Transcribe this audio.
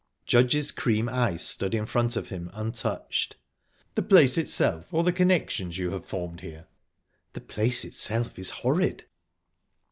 Judge's cream ice stood in front of him untouched. "The place itself, or the connections you have formed here?" "The place itself is horrid."